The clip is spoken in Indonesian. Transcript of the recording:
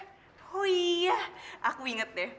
oh iya aku inget deh